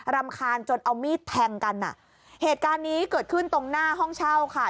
รำคาญจนเอามีดแทงกันอ่ะเหตุการณ์นี้เกิดขึ้นตรงหน้าห้องเช่าค่ะ